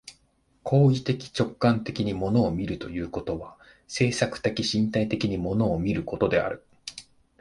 行為的直観的に物を見るということは、制作的身体的に物を見ることである。